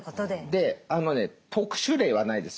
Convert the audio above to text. あのね特殊例はないです。